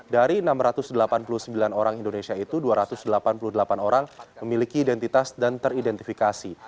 dari enam ratus delapan puluh sembilan orang indonesia itu dua ratus delapan puluh delapan orang memiliki identitas dan teridentifikasi